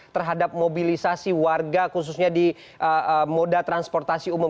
terhadap mobilisasi warga khususnya di moda transportasi umum